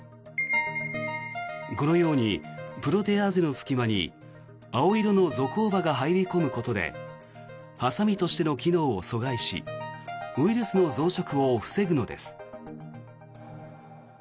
このようにプロテアーゼの隙間に青色のゾコーバが入り込むことでハサミとしての機能を阻害しウイルスの増殖を防ぐのです。